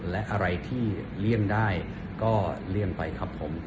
และอะไรที่เลี่ยงได้ก็เลี่ยงไปครับผม